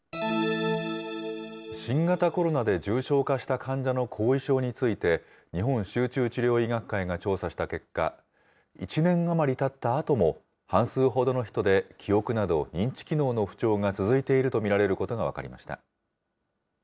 新型コロナで重症化した患者の後遺症について、日本集中治療医学会が調査した結果、１年余りたったあとも半数ほどの人で記憶など認知機能の不調が続いていると見られることが分かりました。